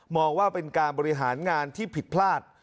ว่าเป็นการบริหารงานที่ผิดพลาด